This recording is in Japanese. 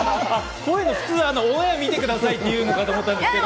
こういうの普通はオンエア見てくださいって言うのかと思ったけど。